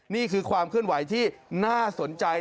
นี่คือความเคลื่อนไหวที่น่าสนใจ